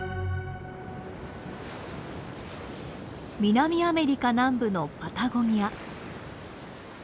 南アメリカ南部のパタゴニア。